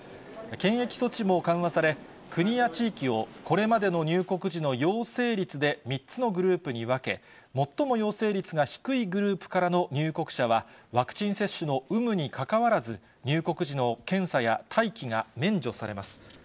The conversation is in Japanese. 検疫措置も緩和され、国や地域をこれまでの入国時の陽性率で３つのグループに分け、最も陽性率が低いグループからの入国者は、ワクチン接種の有無にかかわらず、入国時の検査や待機が免除されます。